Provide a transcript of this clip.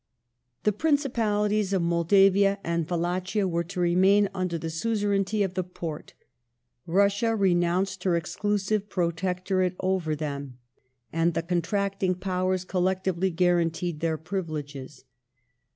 The Principalities of Moldavia and Wallachia were to remain under the suzerainty of the Porte ; Russia renounced her exclusive protectorate over them, and the contracting Powers collectively guaranteed their privileges.